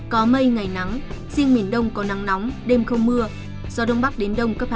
có mây ngày nắng riêng miền đông có nắng nóng đêm không mưa gió đông bắc đến đông cấp hai